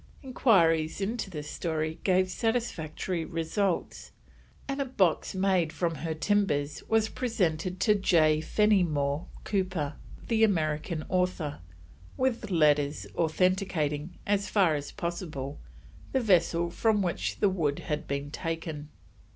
Enquiries into this story gave satisfactory results, and a box made from her timbers was presented to J. Fennimore Cooper, the American author, with letters authenticating, as far as possible, the vessel from which the wood had been taken.